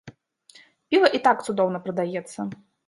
Піва і так цудоўна прадаецца.